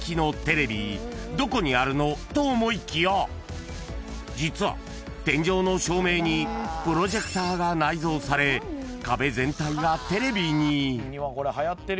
［どこにあるの？と思いきや実は天井の照明にプロジェクターが内蔵され壁全体がテレビに］